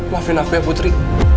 maafin aku ya putri